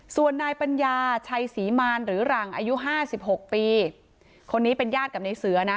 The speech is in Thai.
ส่วนนายปัญญาชัยศรีมารหรือหลังอายุห้าสิบหกปีคนนี้เป็นญาติกับในเสือนะ